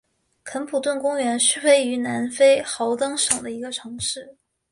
肯普顿公园是位于南非豪登省的一个城市。